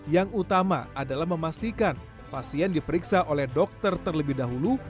yang utama adalah memastikan pasien diperiksa oleh dokter terlebih dahulu